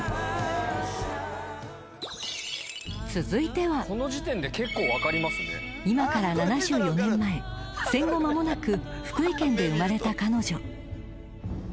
［続いては今から７４年前戦後間もなく福井県で生まれた彼女］